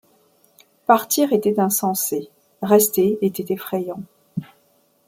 Partir était insensé, rester était effrayant.